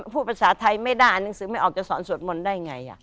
พูดภาษาไทยไม่ได้อ่านหนังสือไม่ออกจะสอนสวดมนต์ได้ไง